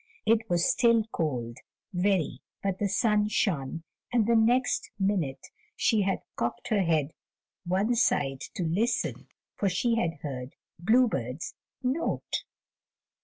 It was still cold, very, but the sun shone and the next minute she had cocked her head one side to listen, for she had heard a bluebird's note.